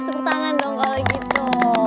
tepuk tangan dong kalau gitu